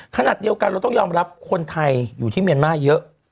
ขณะเดียวกันเราต้องยอมรับคนไทยอยู่ที่เมียนมาร์เยอะ